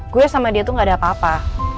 gue sama dia tuh gak ada apa apa